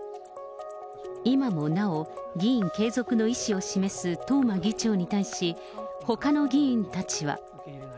今もなお、議員継続の意思を示す東間議長に対し、ほかの議員たちは。